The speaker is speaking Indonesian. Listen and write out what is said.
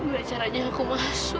gimana caranya aku masuk